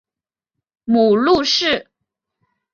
母陆氏。